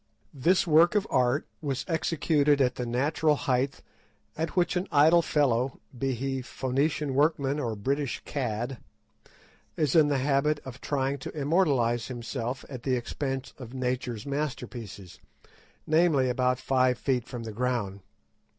This work of art was executed at the natural height at which an idle fellow, be he Phoenician workman or British cad, is in the habit of trying to immortalise himself at the expense of nature's masterpieces, namely, about five feet from the ground.